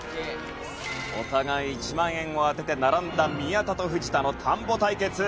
お互い１万円を当てて並んだ宮田と藤田の田んぼ対決。